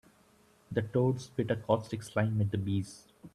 The toad spit a caustic slime at the bees.